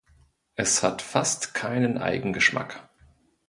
Es hat fast keinen Eigengeschmack.